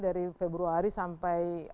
dari februari sampai